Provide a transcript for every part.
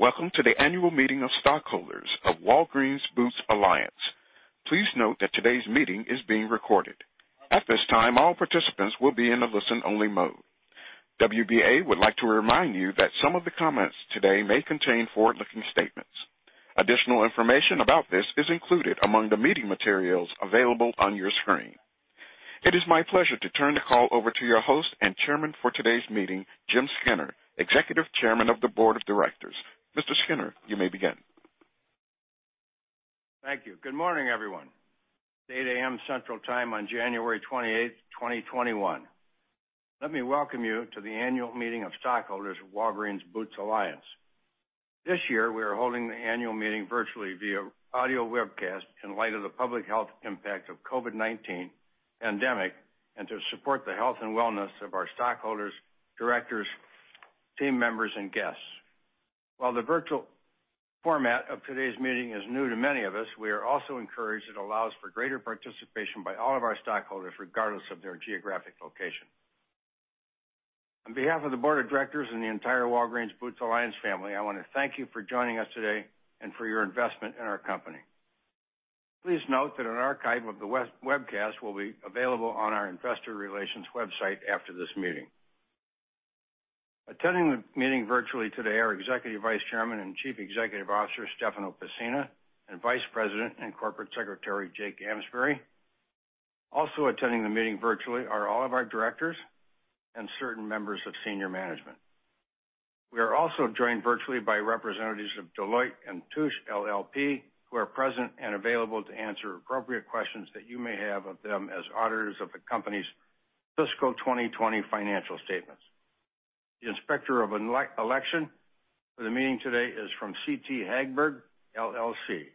Welcome to the annual meeting of stockholders of Walgreens Boots Alliance. Please note that today's meeting is being recorded. At this time, all participants will be in a listen-only mode. WBA would like to remind you that some of the comments today may contain forward-looking statements. Additional information about this is included among the meeting materials available on your screen. It is my pleasure to turn the call over to your host and chairman for today's meeting, Jim Skinner, Executive Chairman of the Board of Directors. Mr. Skinner, you may begin. Thank you. Good morning, everyone. It's 8:00 A.M. Central Time on January 28th, 2021. Let me welcome you to the annual meeting of stockholders of Walgreens Boots Alliance. This year, we are holding the annual meeting virtually via audio webcast in light of the public health impact of COVID-19 pandemic, and to support the health and wellness of our stockholders, directors, team members, and guests. While the virtual format of today's meeting is new to many of us, we are also encouraged it allows for greater participation by all of our stockholders, regardless of their geographic location. On behalf of the board of directors and the entire Walgreens Boots Alliance family, I want to thank you for joining us today and for your investment in our company. Please note that an archive of the webcast will be available on our investor relations website after this meeting. Attending the meeting virtually today are Executive Vice Chairman and Chief Executive Officer, Stefano Pessina, and Vice President and Corporate Secretary, Jake Amsbary. Also attending the meeting virtually are all of our directors and certain members of senior management. We are also joined virtually by representatives of Deloitte & Touche LLP, who are present and available to answer appropriate questions that you may have of them as auditors of the company's fiscal 2020 financial statements. The inspector of election for the meeting today is from CT Hagberg LLC.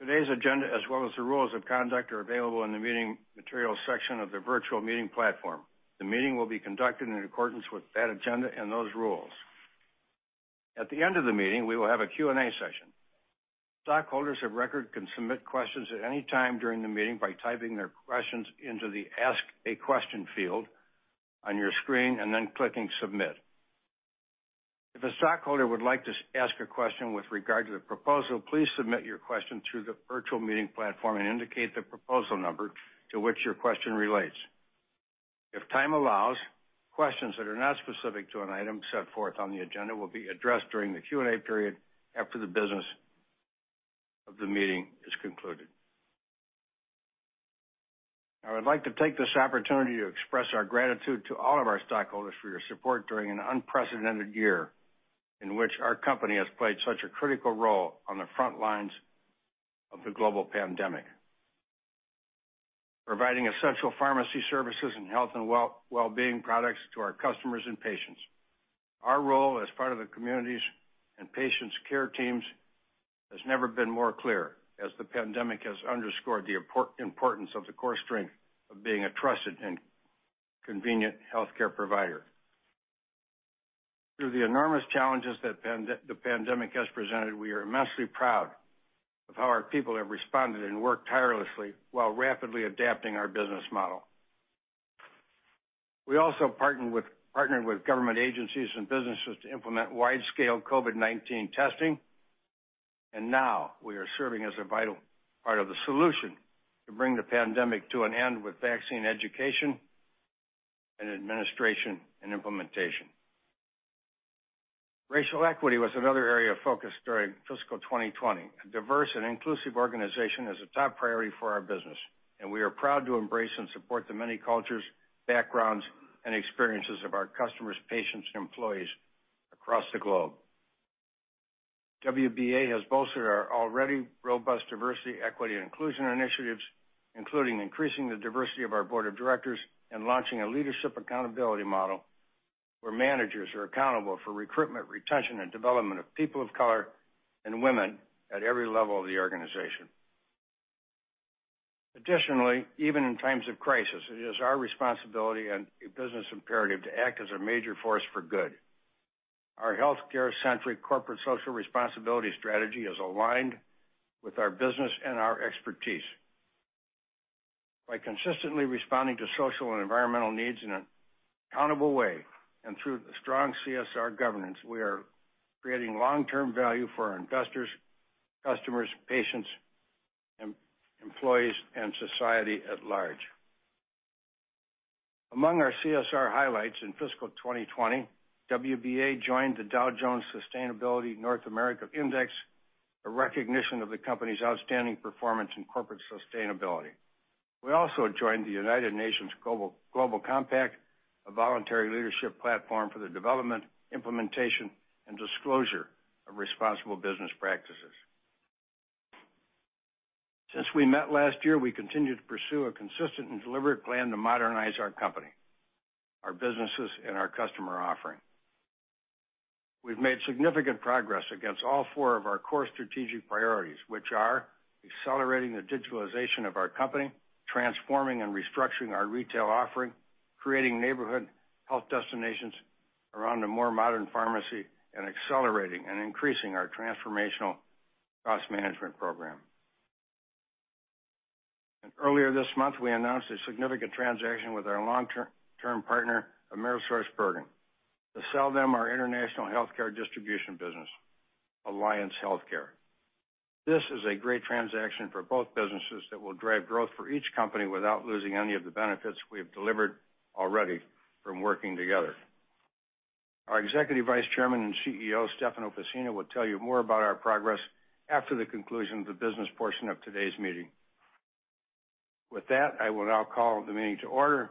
Today's agenda, as well as the rules of conduct, are available in the meeting materials section of the virtual meeting platform. The meeting will be conducted in accordance with that agenda and those rules. At the end of the meeting, we will have a Q&A session. Stockholders of record can submit questions at any time during the meeting by typing their questions into the Ask a Question field on your screen and then clicking Submit. If a stockholder would like to ask a question with regard to the proposal, please submit your question through the virtual meeting platform and indicate the proposal number to which your question relates. If time allows, questions that are not specific to an item set forth on the agenda will be addressed during the Q&A period after the business of the meeting is concluded. I would like to take this opportunity to express our gratitude to all of our stockholders for your support during an unprecedented year in which our company has played such a critical role on the front lines of the global pandemic, providing essential pharmacy services and health and wellbeing products to our customers and patients. Our role as part of the communities and patients' care teams has never been more clear, as the pandemic has underscored the importance of the core strength of being a trusted and convenient healthcare provider. Through the enormous challenges that the pandemic has presented, we are immensely proud of how our people have responded and worked tirelessly while rapidly adapting our business model. We also partnered with government agencies and businesses to implement wide-scale COVID-19 testing. Now we are serving as a vital part of the solution to bring the pandemic to an end with vaccine education and administration and implementation. Racial equity was another area of focus during fiscal 2020. A diverse and inclusive organization is a top priority for our business, and we are proud to embrace and support the many cultures, backgrounds, and experiences of our customers, patients, and employees across the globe. WBA has bolstered our already robust Diversity, Equity, and Inclusion initiatives, including increasing the diversity of our board of directors and launching a Leadership Accountability Model where managers are accountable for recruitment, retention, and development of people of color and women at every level of the organization. Additionally, even in times of crisis, it is our responsibility and a business imperative to act as a major force for good. Our healthcare-centric Corporate Social Responsibility strategy is aligned with our business and our expertise. By consistently responding to social and environmental needs in an accountable way and through strong CSR governance, we are creating long-term value for our investors, customers, patients, employees, and society at large. Among our CSR highlights in fiscal 2020, WBA joined the Dow Jones Sustainability North America Index, a recognition of the company's outstanding performance in corporate sustainability. We also joined the United Nations Global Compact, a voluntary leadership platform for the development, implementation, and disclosure of responsible business practices. Since we met last year, we continue to pursue a consistent and deliberate plan to modernize our company, our businesses, and our customer offering. We've made significant progress against all four of our core strategic priorities, which are accelerating the digitalization of our company, transforming and restructuring our retail offering, creating neighborhood health destinations around a more modern pharmacy, and accelerating and increasing our transformational cost management program. Earlier this month, we announced a significant transaction with our long-term partner, AmerisourceBergen, to sell them our international healthcare distribution business, Alliance Healthcare. This is a great transaction for both businesses that will drive growth for each company without losing any of the benefits we have delivered already from working together. Our Executive Vice Chairman and CEO, Stefano Pessina, will tell you more about our progress after the conclusion of the business portion of today's meeting. With that, I will now call the meeting to order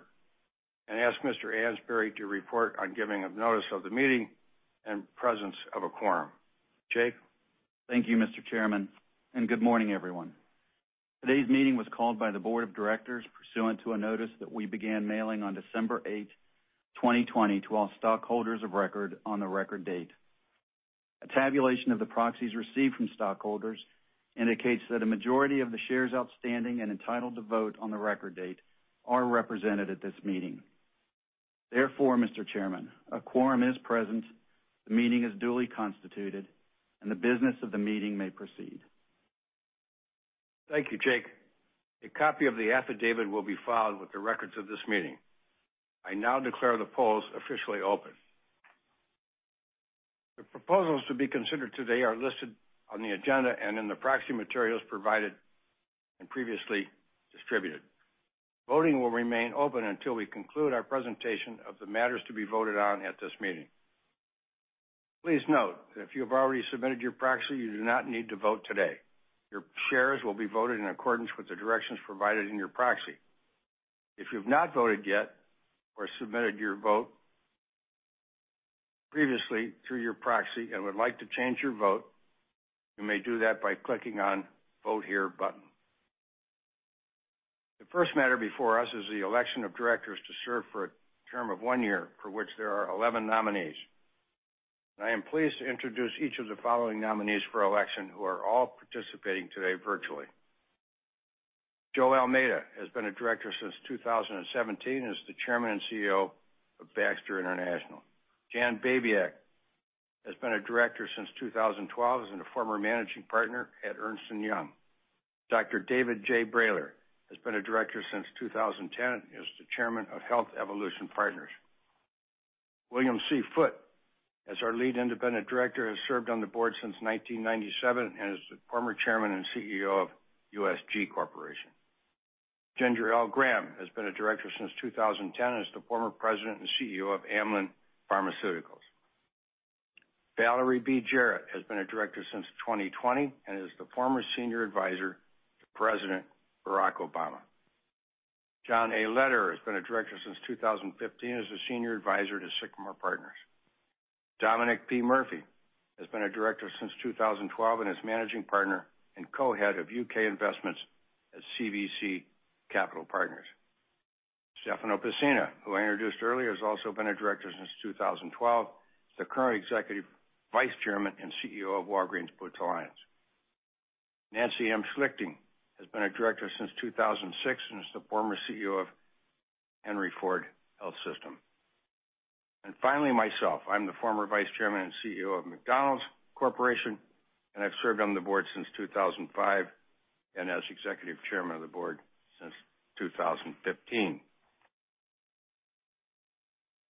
and ask Mr. Amsbary to report on giving of notice of the meeting and presence of a quorum. Jake? Thank you, Mr. Chairman. Good morning, everyone. Today's meeting was called by the board of directors pursuant to a notice that we began mailing on December 8, 2020, to all stockholders of record on the record date. A tabulation of the proxies received from stockholders indicates that a majority of the shares outstanding and entitled to vote on the record date are represented at this meeting. Mr. Chairman, a quorum is present, the meeting is duly constituted, and the business of the meeting may proceed. Thank you, Jake. A copy of the affidavit will be filed with the records of this meeting. I now declare the polls officially open. The proposals to be considered today are listed on the agenda and in the proxy materials provided and previously distributed. Voting will remain open until we conclude our presentation of the matters to be voted on at this meeting. Please note that if you have already submitted your proxy, you do not need to vote today. Your shares will be voted in accordance with the directions provided in your proxy. If you've not voted yet or submitted your vote previously through your proxy and would like to change your vote, you may do that by clicking on Vote Here button. The first matter before us is the election of directors to serve for a term of one year, for which there are 11 nominees. I am pleased to introduce each of the following nominees for election who are all participating today virtually. Joe Almeida has been a director since 2017 and is the Chairman and CEO of Baxter International. Jan Babiak has been a director since 2012 and a former managing partner at Ernst & Young. Dr. David J. Brailer has been a director since 2010 and is the Chairman of Health Evolution Partners. William C. Foote, as our lead independent director, has served on the board since 1997 and is the former Chairman and CEO of USG Corporation. Ginger L. Graham has been a director since 2010 and is the former President and CEO of Amylin Pharmaceuticals. Valerie B. Jarrett has been a director since 2020 and is the former Senior Advisor to President Barack Obama. John A. Lederer has been a director since 2015 and is a Senior Advisor to Sycamore Partners. Dominic P. Murphy has been a director since 2012 and is Managing Partner and Co-Head of U.K. Investments at CVC Capital Partners. Stefano Pessina, who I introduced earlier, has also been a director since 2012, is the current Executive Vice Chairman and CEO of Walgreens Boots Alliance. Nancy M. Schlichting has been a director since 2006 and is the former CEO of Henry Ford Health System. Finally, myself, I'm the former Vice Chairman and CEO of McDonald's Corporation, and I've served on the board since 2005 and as Executive Chairman of the board since 2015.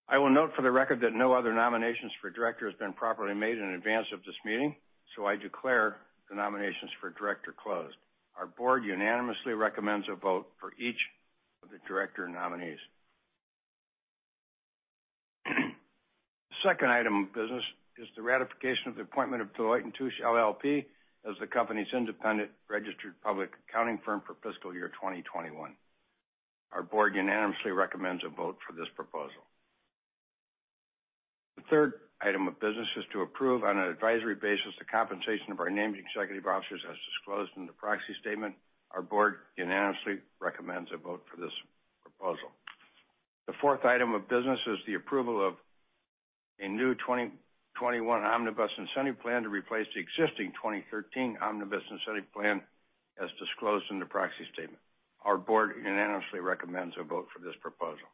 I will note for the record that no other nominations for director has been properly made in advance of this meeting, so I declare the nominations for director closed. Our board unanimously recommends a vote for each of the director nominees. The second item of business is the ratification of the appointment of Deloitte & Touche LLP as the company's independent registered public accounting firm for fiscal year 2021. Our board unanimously recommends a vote for this proposal. The third item of business is to approve, on an advisory basis, the compensation of our named executive officers as disclosed in the proxy statement. Our board unanimously recommends a vote for this proposal. The fourth item of business is the approval of a new 2021 Omnibus Incentive Plan to replace the existing 2013 Omnibus Incentive Plan as disclosed in the proxy statement. Our board unanimously recommends a vote for this proposal.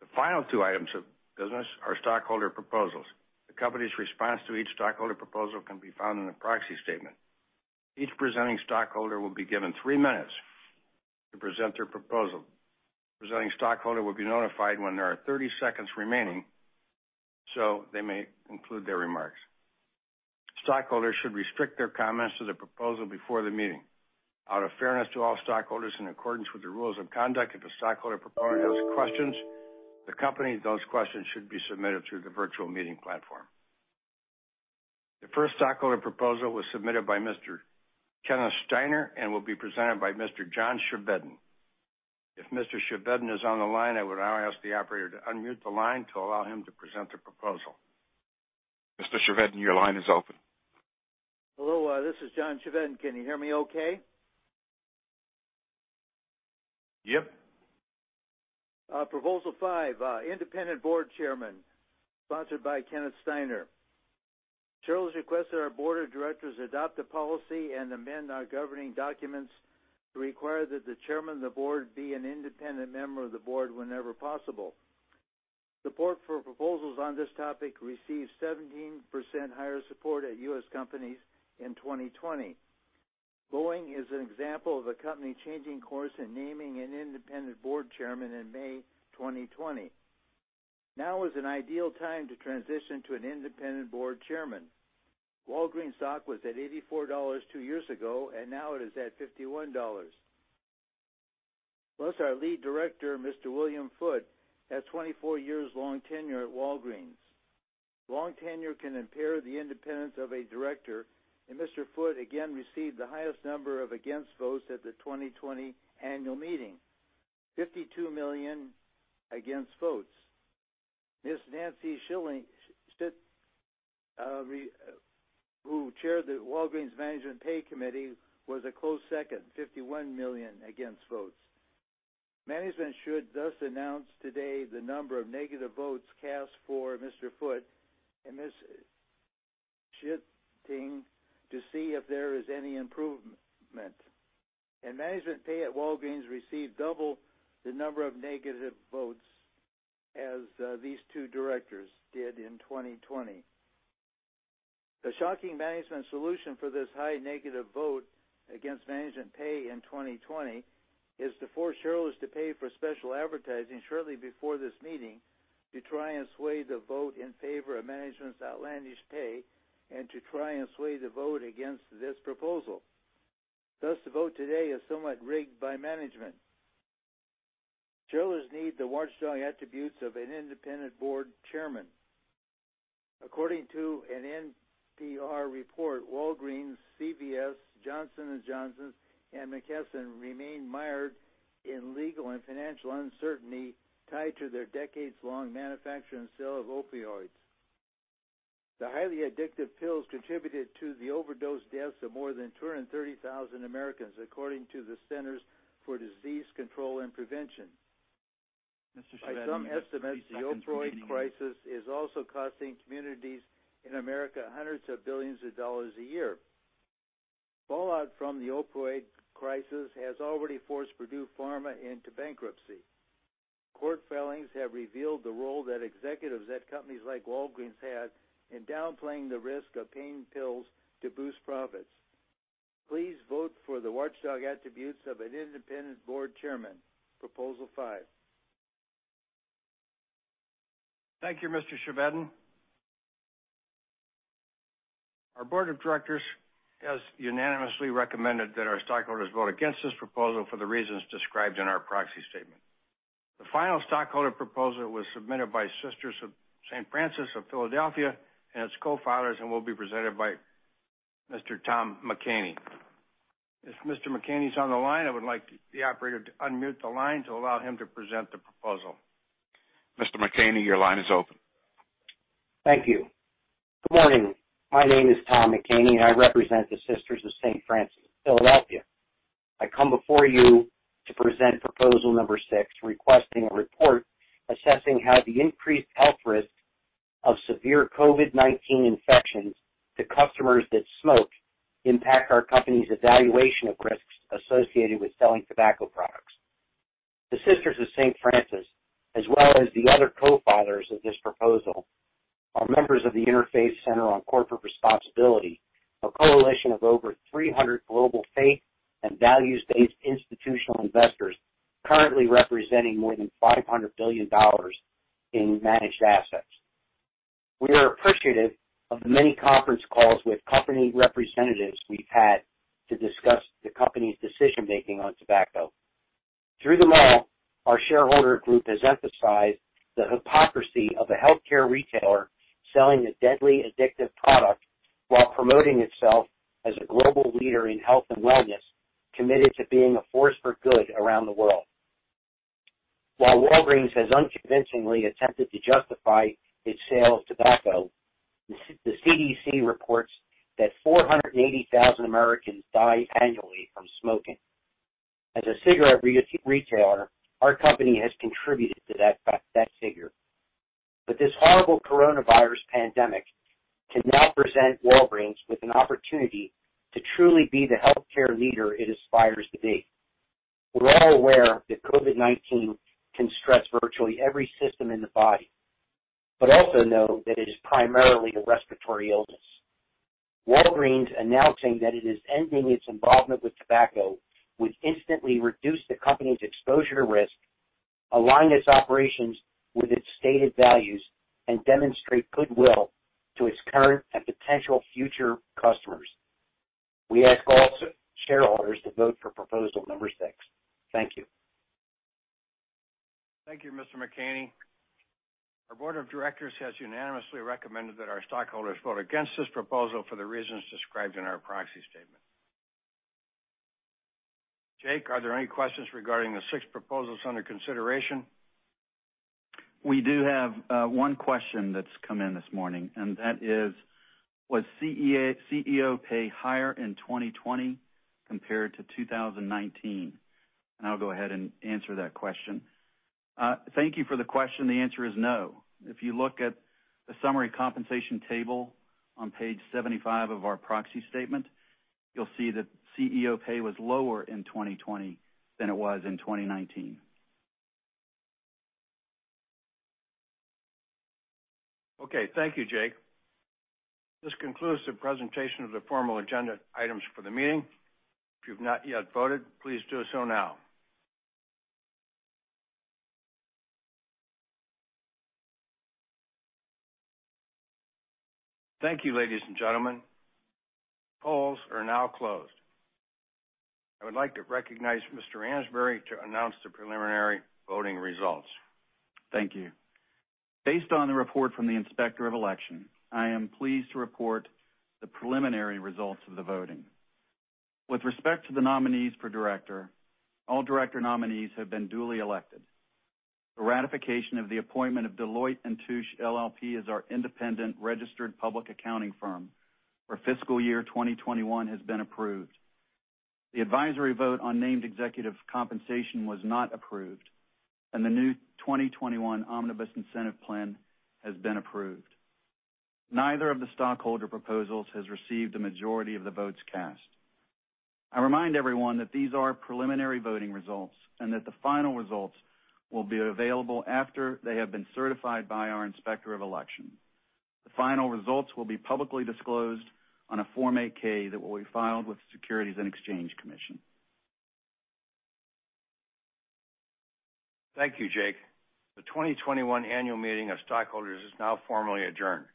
The final two items of business are stockholder proposals. The company's response to each stockholder proposal can be found in the proxy statement. Each presenting stockholder will be given three minutes to present their proposal. Presenting stockholder will be notified when there are 30 seconds remaining, so they may conclude their remarks. Stockholders should restrict their comments to the proposal before the meeting. Out of fairness to all stockholders in accordance with the rules of conduct, if a stockholder proposal has questions, the company, those questions should be submitted through the virtual meeting platform. The first stockholder proposal was submitted by Mr. Kenneth Steiner and will be presented by Mr. John Chevedden. If Mr. Chevedden is on the line, I would now ask the operator to unmute the line to allow him to present the proposal. Mr. Chevedden, your line is open. Hello, this is John Chevedden. Can you hear me okay? Yep. Proposal 5, independent board chairman, sponsored by Kenneth Steiner. Shareholders request that our board of directors adopt a policy and amend our governing documents to require that the chairman of the board be an independent member of the board whenever possible. Support for proposals on this topic received 17% higher support at U.S. companies in 2020. Boeing is an example of a company changing course and naming an independent board chairman in May 2020. Now is an ideal time to transition to an independent board chairman. Walgreens stock was at $84 two years ago. Now it is at $51. Our lead director, Mr. William Foote, has 24 years long tenure at Walgreens. Long tenure can impair the independence of a director. Mr. Foote again received the highest number of against votes at the 2020 annual meeting, 52 million against votes. Ms. Nancy Schlichting, who chaired the Walgreens Executive Pay Committee, was a close second, 51 million against votes. Management should announce today the number of negative votes cast for Mr. Foote and Ms. Schlichting to see if there is any improvement. Management pay at Walgreens received double the number of negative votes as these two directors did in 2020. The shocking management solution for this high negative vote against management pay in 2020 is to force shareholders to pay for special advertising shortly before this meeting to try and sway the vote in favor of management's outlandish pay and to try and sway the vote against this proposal. The vote today is somewhat rigged by management. Shareholders need the watchdog attributes of an independent board chairman. According to an NPR report, Walgreens, CVS, Johnson & Johnson, and McKesson remain mired in legal and financial uncertainty tied to their decades-long manufacture and sale of opioids. The highly addictive pills contributed to the overdose deaths of more than 230,000 Americans, according to the Centers for Disease Control and Prevention. Mr. Chevedden, you have 30 seconds remaining. By some estimates, the opioid crisis is also costing communities in America hundreds of billions of dollars a year. Fallout from the opioid crisis has already forced Purdue Pharma into bankruptcy. Court filings have revealed the role that executives at companies like Walgreens had in downplaying the risk of pain pills to boost profits. Please vote for the watchdog attributes of an independent board chairman, proposal five. Thank you, Mr. Chevedden. Our board of directors has unanimously recommended that our stockholders vote against this proposal for the reasons described in our proxy statement. The final stockholder proposal was submitted by Sisters of St. Francis of Philadelphia and its co-filers and will be presented by Mr. Tom McCaney. If Mr. McCaney's on the line, I would like the operator to unmute the line to allow him to present the proposal. Mr. McCaney, your line is open. Thank you. Good morning. My name is Tom McCaney. I represent the Sisters of St. Francis of Philadelphia. I come before you to present proposal number six, requesting a report assessing how the increased health risks of severe COVID-19 infections to customers that smoke impact our company's evaluation of risks associated with selling tobacco products. The Sisters of St. Francis, as well as the other co-filers of this proposal, are members of the Interfaith Center on Corporate Responsibility, a coalition of over 300 global faith and values-based institutional investors currently representing more than $500 billion in managed assets. We are appreciative of the many conference calls with company representatives we've had to discuss the company's decision-making on tobacco. Through them all, our shareholder group has emphasized the hypocrisy of a healthcare retailer selling a deadly addictive product while promoting itself as a global leader in health and wellness, committed to being a force for good around the world. While Walgreens has unconvincingly attempted to justify its sale of tobacco, the CDC reports that 480,000 Americans die annually from smoking. As a cigarette retailer, our company has contributed to that figure. This horrible coronavirus pandemic can now present Walgreens with an opportunity to truly be the healthcare leader it aspires to be. We're all aware that COVID-19 can stress virtually every system in the body, but also know that it is primarily a respiratory illness. Walgreens announcing that it is ending its involvement with tobacco would instantly reduce the company's exposure to risk, align its operations with its stated values, and demonstrate goodwill to its current and potential future customers. We ask all shareholders to vote for proposal number 6. Thank you. Thank you, Mr. McCaney. Our board of directors has unanimously recommended that our stockholders vote against this proposal for the reasons described in our proxy statement. Jake, are there any questions regarding the six proposals under consideration? We do have one question that's come in this morning, and that is, "Was CEO pay higher in 2020 compared to 2019?" I'll go ahead and answer that question. Thank you for the question. The answer is no. If you look at the summary compensation table on page 75 of our proxy statement. You'll see that CEO pay was lower in 2020 than it was in 2019. Okay. Thank you, Jake. This concludes the presentation of the formal agenda items for the meeting. If you've not yet voted, please do so now. Thank you, ladies and gentlemen. Polls are now closed. I would like to recognize Mr. Amsbary to announce the preliminary voting results. Thank you. Based on the report from the Inspector of Election, I am pleased to report the preliminary results of the voting. With respect to the nominees for director, all director nominees have been duly elected. The ratification of the appointment of Deloitte & Touche LLP as our independent registered public accounting firm for fiscal year 2021 has been approved. The advisory vote on named executive compensation was not approved. The new 2021 Omnibus Incentive Plan has been approved. Neither of the stockholder proposals has received a majority of the votes cast. I remind everyone that these are preliminary voting results. The final results will be available after they have been certified by our Inspector of Election. The final results will be publicly disclosed on a Form 8-K that will be filed with the Securities and Exchange Commission. Thank you, Jake. The 2021 annual meeting of stockholders is now formally adjourned.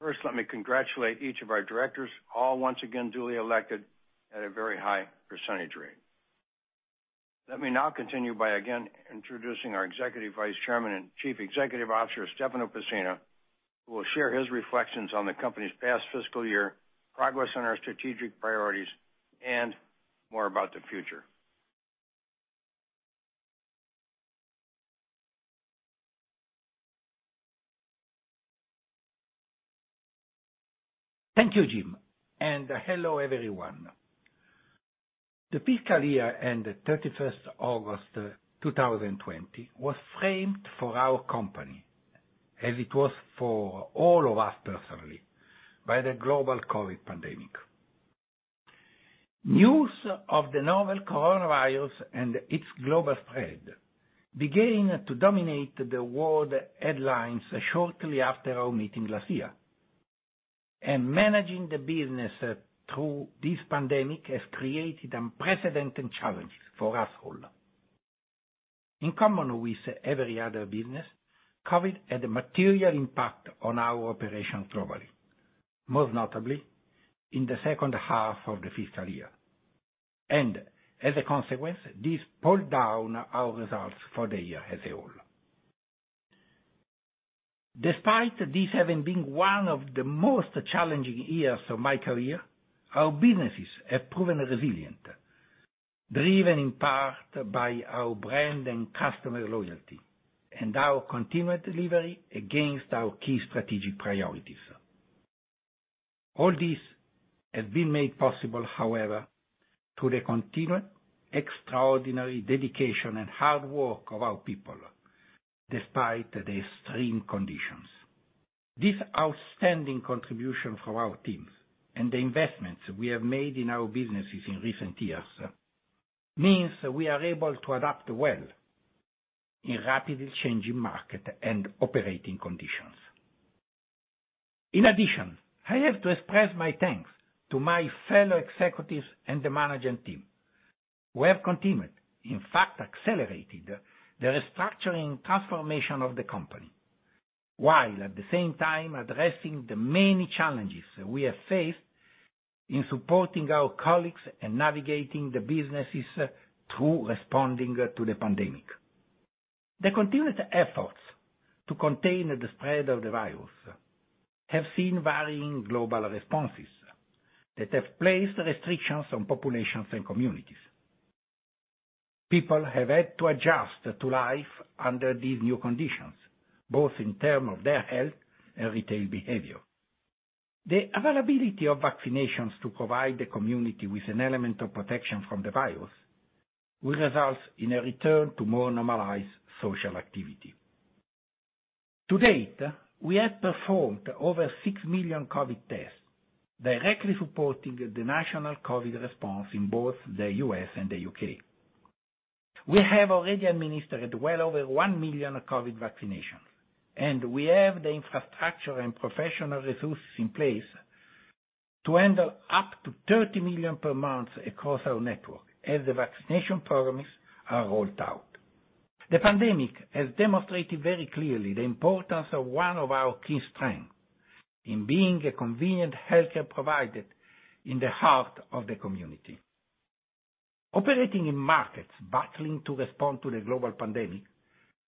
First, let me congratulate each of our directors, all once again duly elected at a very high percentage rate. Let me now continue by again introducing our Executive Vice Chairman and Chief Executive Officer, Stefano Pessina, who will share his reflections on the company's past fiscal year, progress on our strategic priorities, and more about the future. Thank you, Jim. Hello, everyone. The fiscal year ended 31st August 2020 was framed for our company, as it was for all of us personally, by the global COVID pandemic. News of the novel coronavirus and its global spread began to dominate the world headlines shortly after our meeting last year. Managing the business through this pandemic has created unprecedented challenges for us all. In common with every other business, COVID had a material impact on our operations globally, most notably in the second half of the fiscal year. As a consequence, this pulled down our results for the year as a whole. Despite this having been one of the most challenging years of my career, our businesses have proven resilient, driven in part by our brand and customer loyalty and our continued delivery against our key strategic priorities. All this has been made possible, however, through the continued extraordinary dedication and hard work of our people despite the extreme conditions. This outstanding contribution from our teams and the investments we have made in our businesses in recent years means we are able to adapt well in rapidly changing market and operating conditions. I have to express my thanks to my fellow executives and the management team, who have continued, in fact accelerated, the restructuring transformation of the company, while at the same time addressing the many challenges we have faced in supporting our colleagues and navigating the businesses through responding to the pandemic. The continued efforts to contain the spread of the virus have seen varying global responses that have placed restrictions on populations and communities. People have had to adjust to life under these new conditions, both in terms of their health and retail behavior. The availability of vaccinations to provide the community with an element of protection from the virus will result in a return to more normalized social activity. To date, we have performed over six million COVID tests, directly supporting the national COVID response in both the U.S. and the U.K. We have already administered well over one million COVID vaccinations, and we have the infrastructure and professional resources in place to handle up to 30 million per month across our network as the vaccination programs are rolled out. The pandemic has demonstrated very clearly the importance of one of our key strengths in being a convenient healthcare provider in the heart of the community. Operating in markets battling to respond to the global pandemic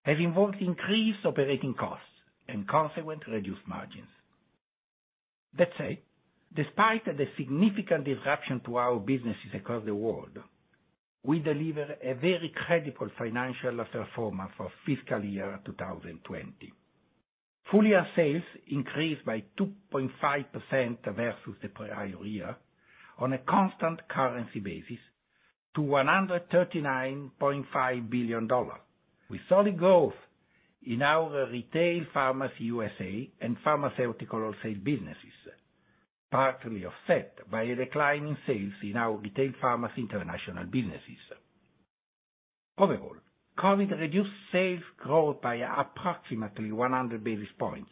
has involved increased operating costs and consequently reduced margins. That said, despite the significant disruption to our businesses across the world, we delivered a very credible financial performance for fiscal year 2020. Full-year sales increased by 2.5% versus the prior year on a constant currency basis to $139.5 billion, with solid growth in our Retail Pharmacy USA. and pharmaceutical wholesale businesses, partly offset by a decline in sales in our Retail Pharmacy International businesses. Overall, COVID-19 reduced sales growth by approximately 100 basis points,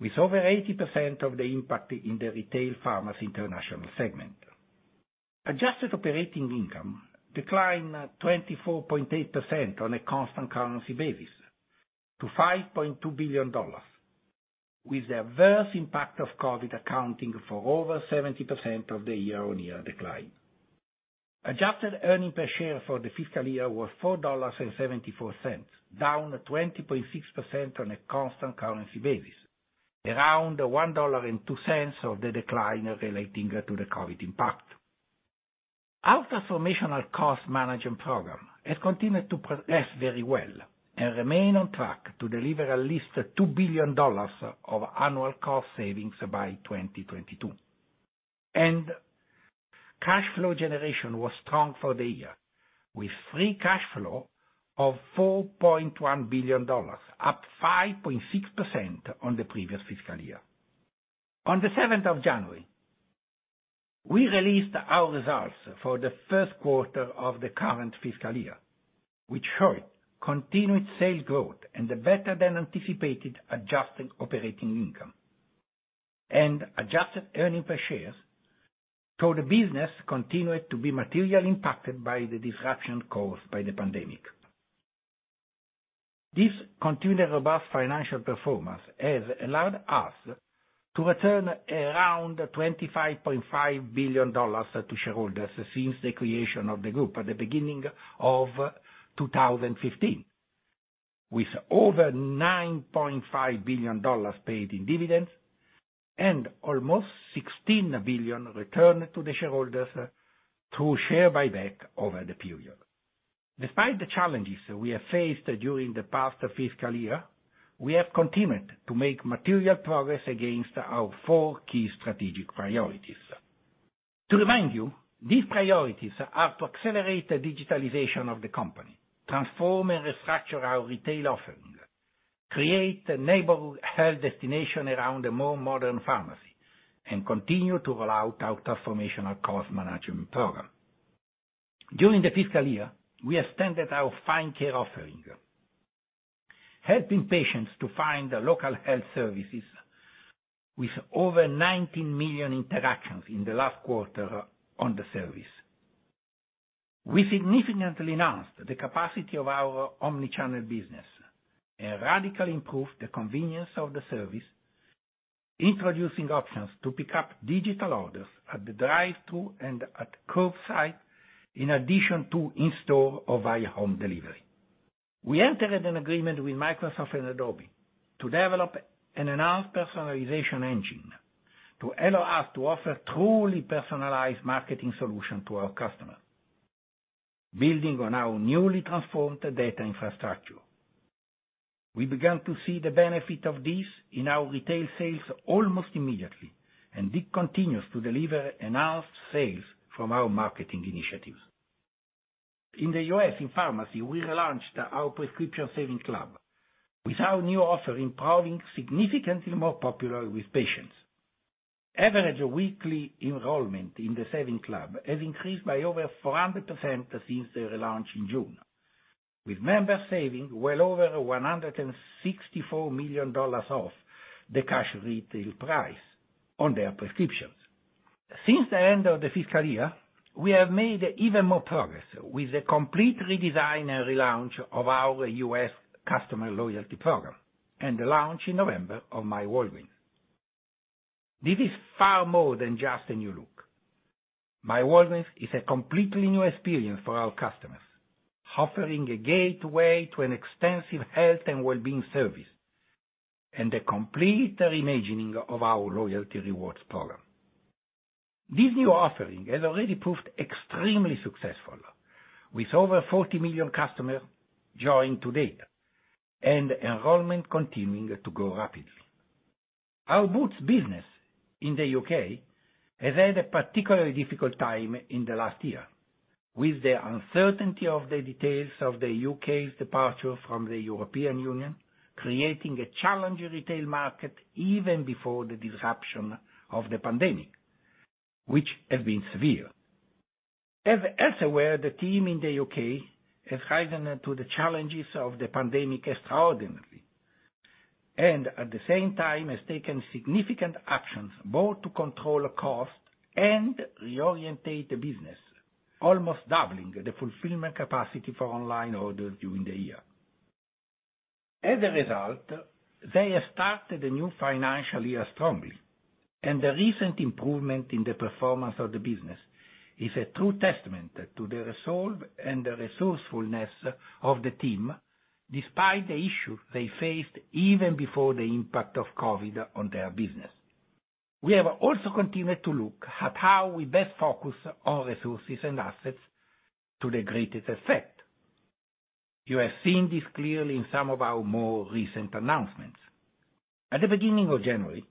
with over 80% of the impact in the Retail Pharmacy International segment. Adjusted operating income declined 24.8% on a constant currency basis to $5.2 billion, with the adverse impact of COVID-19 accounting for over 70% of the year-on-year decline. Adjusted earnings per share for the fiscal year was $4.74, down 20.6% on a constant currency basis, around $1.02 of the decline relating to the COVID-19 impact. Our transformational cost management program has continued to progress very well and remain on track to deliver at least $2 billion of annual cost savings by 2022. Cash flow generation was strong for the year, with free cash flow of $4.1 billion, up 5.6% on the previous fiscal year. On the 7th of January, we released our results for the first quarter of the current fiscal year, which showed continued sales growth and better than anticipated adjusted operating income and adjusted earnings per share, though the business continued to be materially impacted by the disruption caused by the pandemic. This continued robust financial performance has allowed us to return around $25.5 billion to shareholders since the creation of the group at the beginning of 2015, with over $9.5 billion paid in dividends and almost $16 billion returned to the shareholders through share buyback over the period. Despite the challenges we have faced during the past fiscal year, we have continued to make material progress against our four key strategic priorities. To remind you, these priorities are to accelerate the digitalization of the company, transform and restructure our retail offering, create a neighborhood health destination around a more modern pharmacy, and continue to roll out our transformational cost management program. During the fiscal year, we extended our Find Care offering, helping patients to find local health services with over 19 million interactions in the last quarter on the service. We significantly enhanced the capacity of our omnichannel business and radically improved the convenience of the service, introducing options to pick up digital orders at the drive-thru and at curbside, in addition to in-store or via home delivery. We entered an agreement with Microsoft and Adobe to develop an enhanced personalization engine to allow us to offer truly personalized marketing solutions to our customers, building on our newly transformed data infrastructure. We began to see the benefit of this in our retail sales almost immediately, and this continues to deliver enhanced sales from our marketing initiatives. In the U.S., in pharmacy, we relaunched our Prescription Savings Club, with our new offering proving significantly more popular with patients. Average weekly enrollment in the Savings Club has increased by over 400% since the relaunch in June, with members saving well over $164 million off the cash retail price on their prescriptions. Since the end of the fiscal year, we have made even more progress with the complete redesign and relaunch of our U.S. customer loyalty program and the launch in November of myWalgreens. This is far more than just a new look. myWalgreens is a completely new experience for our customers, offering a gateway to an extensive health and wellbeing service and a complete reimagining of our loyalty rewards program. This new offering has already proved extremely successful, with over 40 million customers joined to date and enrollment continuing to grow rapidly. Our Boots business in the U.K. has had a particularly difficult time in the last year, with the uncertainty of the details of the U.K.'s departure from the European Union creating a challenging retail market even before the disruption of the pandemic, which has been severe. As elsewhere, the team in the U.K. has risen to the challenges of the pandemic extraordinarily, and at the same time has taken significant actions both to control cost and reorientate the business, almost doubling the fulfillment capacity for online orders during the year. As a result, they have started the new financial year strongly, and the recent improvement in the performance of the business is a true testament to the resolve and the resourcefulness of the team, despite the issues they faced even before the impact of COVID on their business. We have also continued to look at how we best focus our resources and assets to the greatest effect. You have seen this clearly in some of our more recent announcements. At the beginning of January,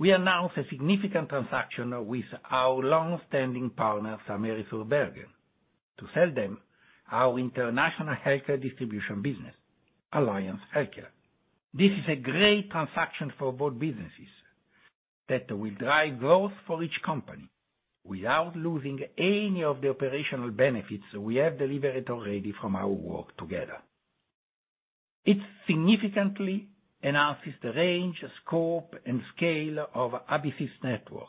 we announced a significant transaction with our longstanding partner, AmerisourceBergen, to sell them our international healthcare distribution business, Alliance Healthcare. This is a great transaction for both businesses that will drive growth for each company without losing any of the operational benefits we have delivered already from our work together. It significantly enhances the range, scope, and scale of WBA's network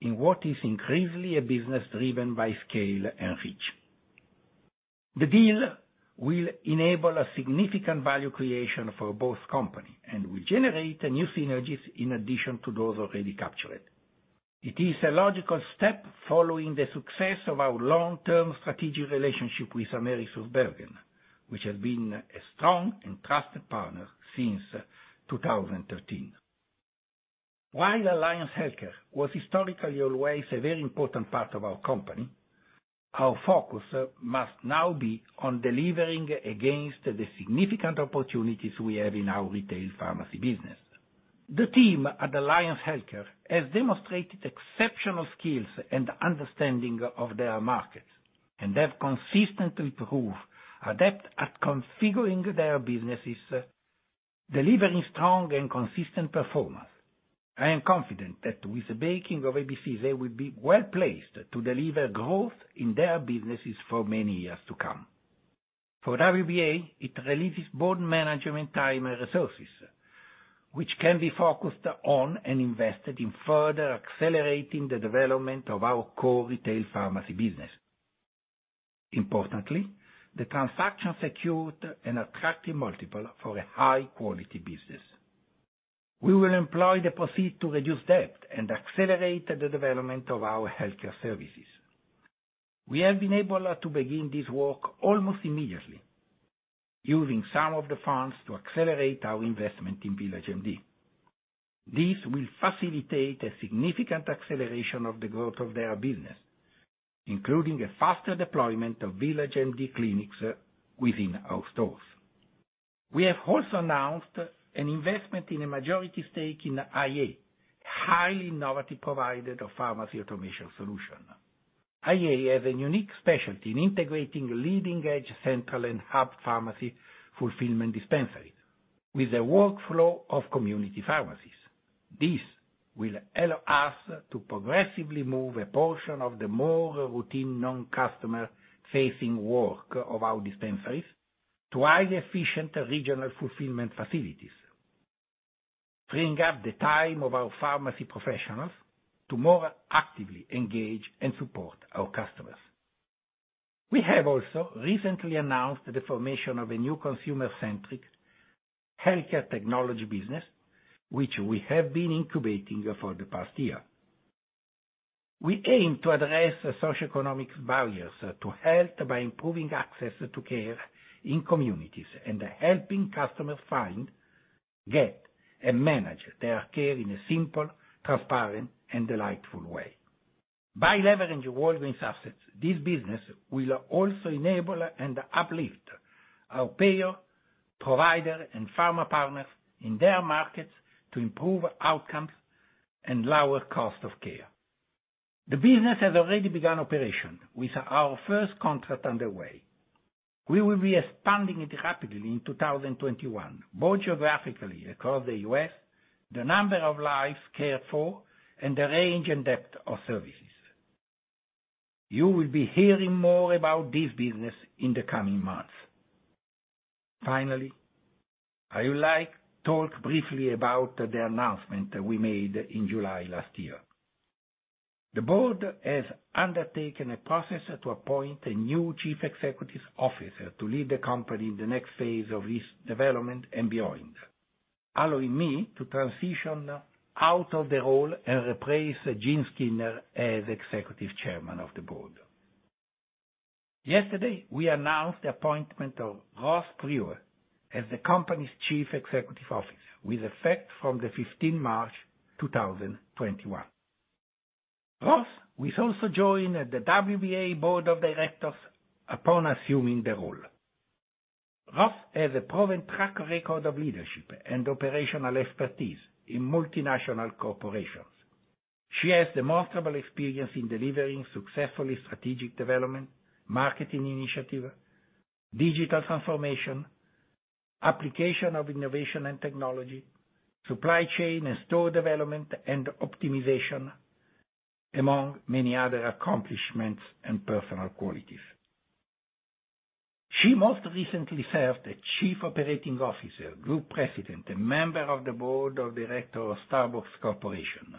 in what is increasingly a business driven by scale and reach. The deal will enable significant value creation for both companies and will generate new synergies in addition to those already captured. It is a logical step following the success of our long-term strategic relationship with AmerisourceBergen, which has been a strong and trusted partner since 2013. While Alliance Healthcare was historically always a very important part of our company, our focus must now be on delivering against the significant opportunities we have in our retail pharmacy business. The team at Alliance Healthcare has demonstrated exceptional skills and understanding of their markets and have consistently proved adept at configuring their businesses, delivering strong and consistent performance. I am confident that with the backing of AmerisourceBergen, they will be well-placed to deliver growth in their businesses for many years to come. For WBA, it releases board management time and resources, which can be focused on and invested in further accelerating the development of our core retail pharmacy business. Importantly, the transaction secured an attractive multiple for a high-quality business. We will employ the proceed to reduce debt and accelerate the development of our healthcare services. We have been able to begin this work almost immediately, using some of the funds to accelerate our investment in VillageMD. This will facilitate a significant acceleration of the growth of their business, including a faster deployment of VillageMD clinics within our stores. We have also announced an investment in a majority stake in iA, a highly innovative provider of pharmacy automation solution. iA has a unique specialty in integrating leading-edge central and hub pharmacy fulfillment dispensaries with the workflow of community pharmacies. This will allow us to progressively move a portion of the more routine non-customer-facing work of our dispensaries to highly efficient regional fulfillment facilities, freeing up the time of our pharmacy professionals to more actively engage and support our customers. We have also recently announced the formation of a new consumer-centric healthcare technology business, which we have been incubating for the past year. We aim to address socioeconomic barriers to health by improving access to care in communities and helping customers find, get, and manage their care in a simple, transparent, and delightful way. By leveraging Walgreens assets, this business will also enable and uplift our payer, provider, and pharma partners in their markets to improve outcomes and lower cost of care. The business has already begun operation with our first contract underway. We will be expanding it rapidly in 2021, both geographically across the U.S., the number of lives cared for, and the range and depth of services. You will be hearing more about this business in the coming months. Finally, I would like talk briefly about the announcement we made in July last year. The board has undertaken a process to appoint a new chief executive officer to lead the company in the next phase of its development and beyond, allowing me to transition out of the role and replace Jim Skinner as Executive Chairman of the Board. Yesterday, we announced the appointment of Roz Brewer as the company's Chief Executive Officer with effect from the 15th March 2021. Roz will also join the WBA board of directors upon assuming the role. Roz has a proven track record of leadership and operational expertise in multinational corporations. She has demonstrable experience in delivering successfully strategic development, marketing initiatives, digital transformation, application of innovation and technology, supply chain, and store development and optimization, among many other accomplishments and personal qualities. She most recently served as Chief Operating Officer, Group President, and member of the board of directors of Starbucks Corporation,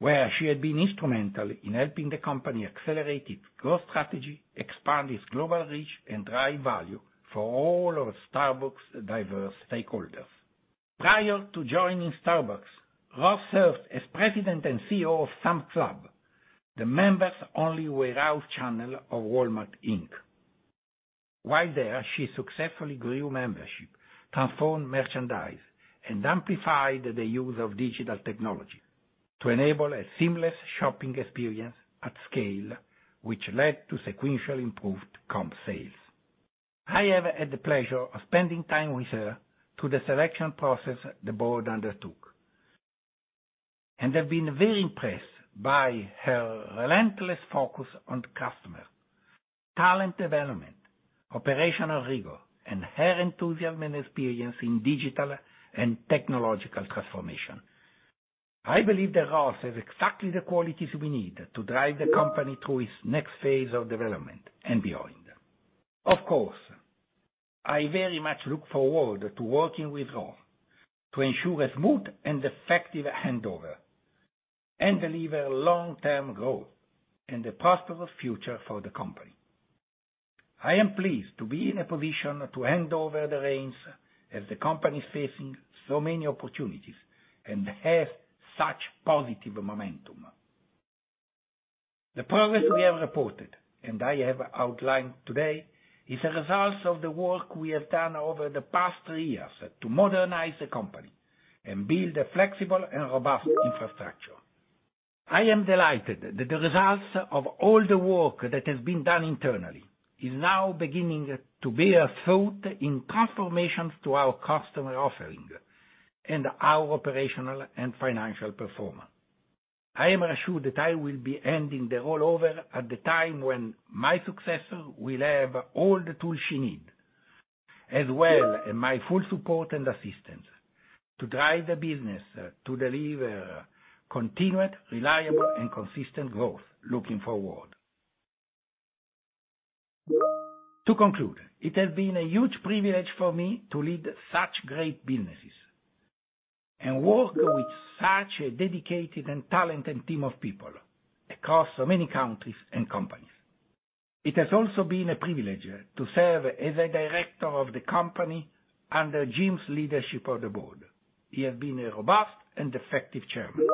where she had been instrumental in helping the company accelerate its growth strategy, expand its global reach, and drive value for all of Starbucks' diverse stakeholders. Prior to joining Starbucks, Roz served as President and CEO of Sam's Club, the members-only warehouse channel of Walmart Inc. While there, she successfully grew membership, transformed merchandise, and amplified the use of digital technology to enable a seamless shopping experience at scale, which led to sequential improved comp sales. I have had the pleasure of spending time with her through the selection process the board undertook, and have been very impressed by her relentless focus on customer talent development, operational rigor, and her enthusiasm and experience in digital and technological transformation. I believe that Roz has exactly the qualities we need to drive the company through its next phase of development and beyond. I very much look forward to working with Roz to ensure a smooth and effective handover and deliver long-term growth and a prosperous future for the company. I am pleased to be in a position to hand over the reins as the company is facing so many opportunities and has such positive momentum. The progress we have reported, and I have outlined today, is a result of the work we have done over the past three years to modernize the company and build a flexible and robust infrastructure. I am delighted that the results of all the work that has been done internally is now beginning to bear fruit in transformations to our customer offering and our operational and financial performance. I am assured that I will be handing the role over at the time when my successor will have all the tools she needs, as well as my full support and assistance to drive the business to deliver continued, reliable, and consistent growth looking forward. To conclude, it has been a huge privilege for me to lead such great businesses and work with such a dedicated and talented team of people across so many countries and companies. It has also been a privilege to serve as a director of the company under Jim's leadership of the board. He has been a robust and effective Chairman.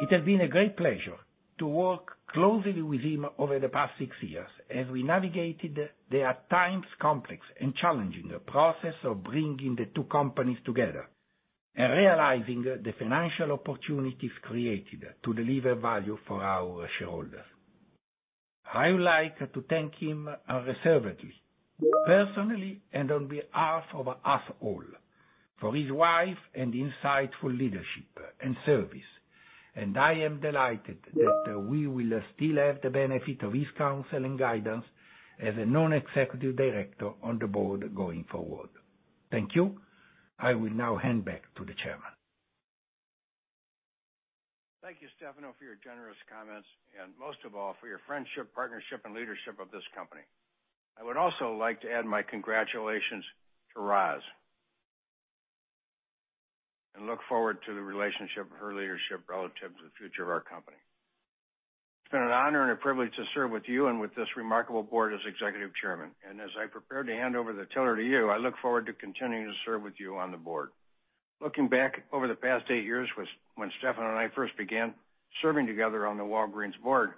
It has been a great pleasure to work closely with him over the past six years as we navigated the, at times, complex and challenging process of bringing the two companies together and realizing the financial opportunities created to deliver value for our shareholders. I would like to thank him unreservedly, personally, and on behalf of us all for his wise and insightful leadership and service, and I am delighted that we will still have the benefit of his counsel and guidance as a non-executive director on the board going forward. Thank you. I will now hand back to the Chairman. Thank you, Stefano, for your generous comments, and most of all, for your friendship, partnership, and leadership of this company. I would also like to add my congratulations to Roz and look forward to the relationship and her leadership relative to the future of our company. It's been an honor and a privilege to serve with you and with this remarkable board as executive chairman, and as I prepare to hand over the tiller to you, I look forward to continuing to serve with you on the board. Looking back over the past eight years when Stefano and I first began serving together on the Walgreens board,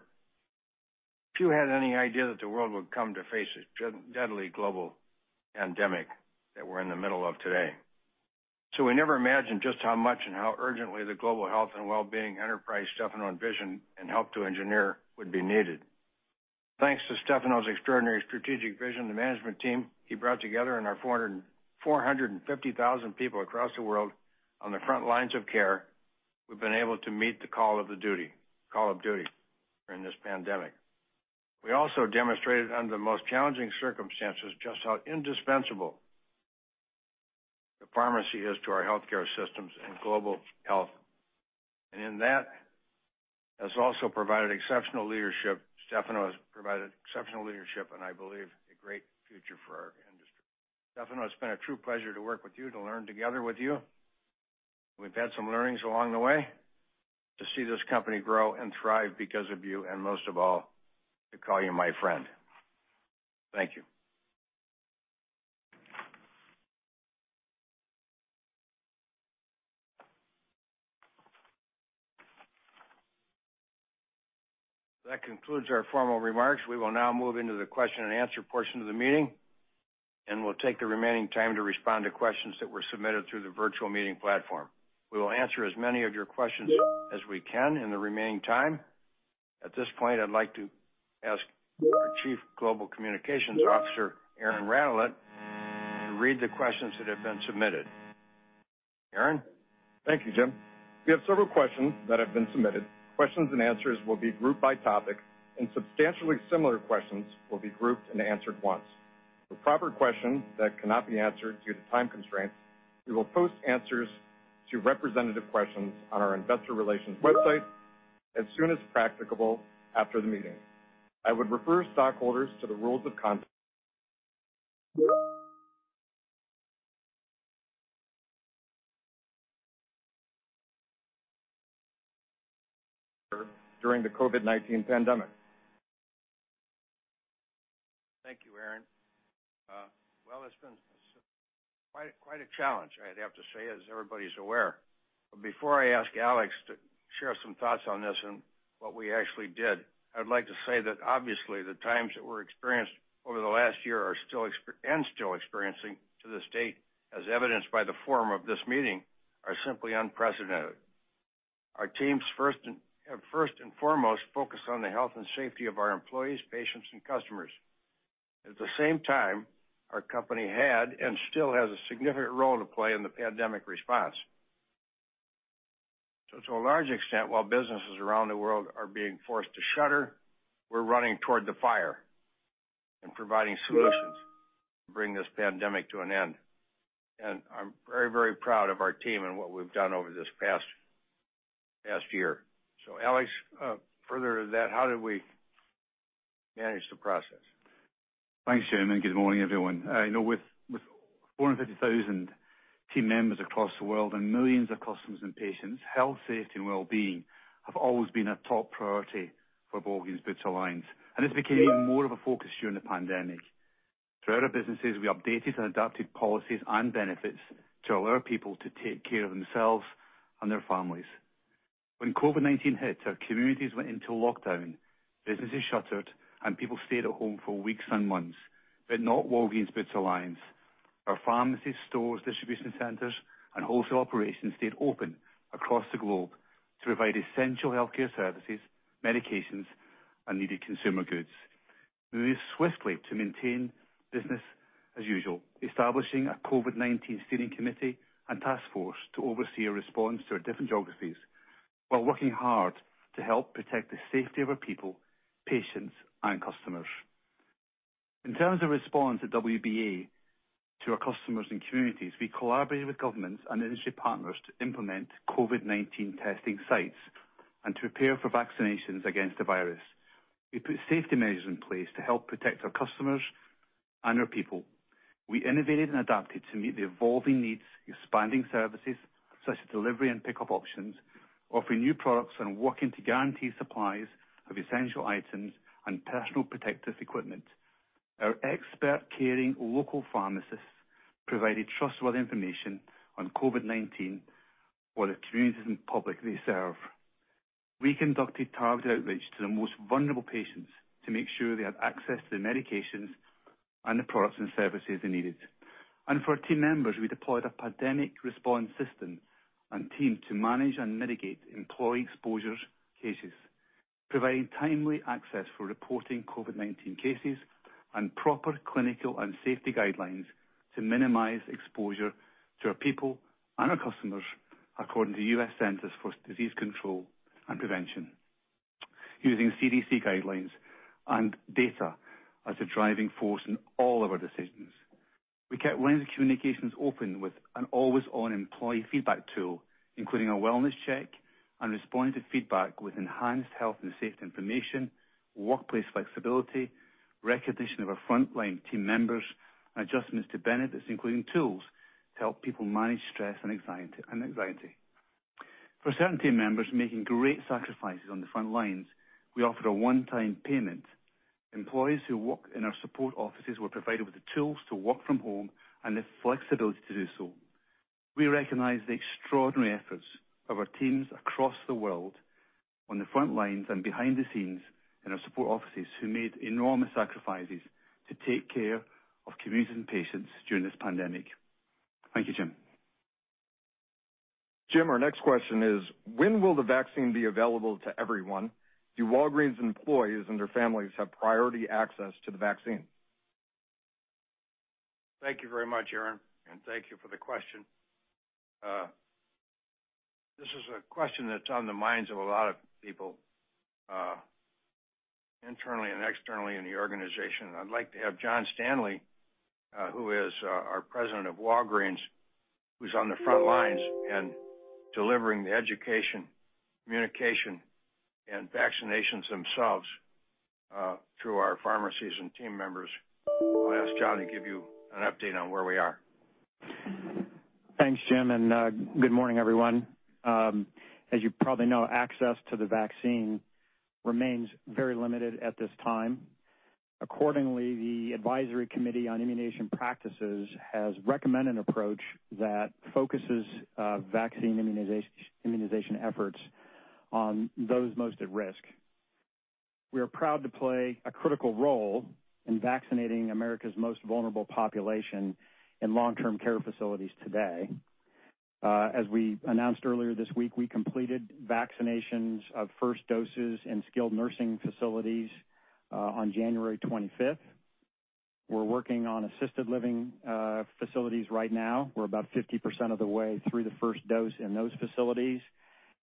few had any idea that the world would come to face a deadly global pandemic that we're in the middle of today. We never imagined just how much and how urgently the global health and wellbeing enterprise Stefano envisioned and helped to engineer would be needed. Thanks to Stefano's extraordinary strategic vision, the management team he brought together and our 450,000 people across the world on the front lines of care, we've been able to meet the call of duty during this pandemic. We also demonstrated under the most challenging circumstances just how indispensable the pharmacy is to our healthcare systems and global health. In that, Stefano has provided exceptional leadership and I believe a great future for our industry. Stefano, it's been a true pleasure to work with you, to learn together with you, we've had some learnings along the way, to see this company grow and thrive because of you, and most of all, to call you my friend. Thank you. That concludes our formal remarks. We will now move into the question and answer portion of the meeting. We'll take the remaining time to respond to questions that were submitted through the virtual meeting platform. We will answer as many of your questions as we can in the remaining time. At this point, I'd like to ask our Global Chief Communications Officer, Aaron Radelet, and read the questions that have been submitted. Aaron? Thank you, Jim. We have several questions that have been submitted. Questions and answers will be grouped by topic, and substantially similar questions will be grouped and answered once. For proper question that cannot be answered due to time constraints, we will post answers to representative questions on our investor relations website as soon as practicable after the meeting. I would refer stockholders to the rules of conduct during the COVID-19 pandemic. Thank you, Aaron. Well, it's been quite a challenge, I'd have to say, as everybody's aware. Before I ask Alex to share some thoughts on this and what we actually did, I'd like to say that obviously the times that were experienced over the last year and still experiencing to this date, as evidenced by the form of this meeting, are simply unprecedented. Our teams first and foremost focus on the health and safety of our employees, patients, and customers. At the same time, our company had and still has a significant role to play in the pandemic response. To a large extent, while businesses around the world are being forced to shutter, we're running toward the fire and providing solutions to bring this pandemic to an end. I'm very proud of our team and what we've done over this past year. Alex, further to that, how did we manage the process? Thanks, Jim, and good morning, everyone. With 450,000 team members across the world and millions of customers and patients, health, safety, and wellbeing have always been a top priority for Walgreens Boots Alliance, and this became more of a focus during the pandemic. Throughout our businesses, we updated and adapted policies and benefits to allow our people to take care of themselves and their families. When COVID-19 hit, our communities went into lockdown. Businesses shuttered, and people stayed at home for weeks and months, but not Walgreens Boots Alliance. Our pharmacy stores, distribution centers, and wholesale operations stayed open across the globe to provide essential healthcare services, medications, and needed consumer goods. We moved swiftly to maintain business as usual, establishing a COVID-19 steering committee and task force to oversee a response to our different geographies while working hard to help protect the safety of our people, patients, and customers. In terms of response at WBA to our customers and communities, we collaborated with governments and industry partners to implement COVID-19 testing sites and to prepare for vaccinations against the virus. We put safety measures in place to help protect our customers and our people. We innovated and adapted to meet the evolving needs, expanding services such as delivery and pickup options, offering new products, and working to guarantee supplies of essential items and personal protective equipment. Our expert caring local pharmacists provided trustworthy information on COVID-19 for the communities and public they serve. We conducted targeted outreach to the most vulnerable patients to make sure they had access to the medications and the products and services they needed. For our team members, we deployed a pandemic response system and team to manage and mitigate employee exposure cases, providing timely access for reporting COVID-19 cases and proper clinical and safety guidelines to minimize exposure to our people and our customers according to U.S. Centers for Disease Control and Prevention, using CDC guidelines and data as the driving force in all of our decisions. We kept lines of communications open with an always-on employee feedback tool, including a wellness check and responding to feedback with enhanced health and safety information, workplace flexibility, recognition of our frontline team members, and adjustments to benefits, including tools to help people manage stress and anxiety. For certain team members making great sacrifices on the front lines, we offered a one-time payment. Employees who work in our support offices were provided with the tools to work from home and the flexibility to do so. We recognize the extraordinary efforts of our teams across the world on the front lines and behind the scenes in our support offices, who made enormous sacrifices to take care of communities and patients during this pandemic. Thank you, Jim. Jim, our next question is: When will the vaccine be available to everyone? Do Walgreens employees and their families have priority access to the vaccine? Thank you very much, Aaron, and thank you for the question. This is a question that's on the minds of a lot of people, internally and externally in the organization. I'd like to have John Standley, who is our president of Walgreens, who's on the front lines and delivering the education, communication, and vaccinations themselves, through our pharmacies and team members. I'll ask John to give you an update on where we are. Thanks, Jim. Good morning, everyone. As you probably know, access to the vaccine remains very limited at this time. Accordingly, the Advisory Committee on Immunization Practices has recommended an approach that focuses vaccine immunization efforts on those most at risk. We are proud to play a critical role in vaccinating America's most vulnerable population in long-term care facilities today. As we announced earlier this week, we completed vaccinations of first doses in skilled nursing facilities on January 25th. We're working on assisted living facilities right now. We're about 50% of the way through the first dose in those facilities.